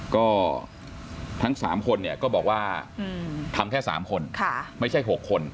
ก็ทั้ง๓คนเนี่ยก็บอกว่าทำแค่๓คนไม่ใช่๖คน